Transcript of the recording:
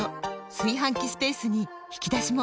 炊飯器スペースに引き出しも！